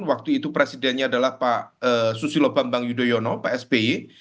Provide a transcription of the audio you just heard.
waktu itu presidennya adalah pak susilo bambang yudhoyono pak sby